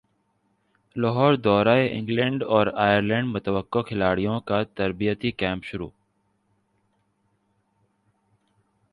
لاہوردورہ England اور ئرلینڈمتوقع کھلاڑیوں کا تربیتی کیمپ شروع